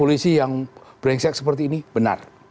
polisi yang brengsek seperti ini benar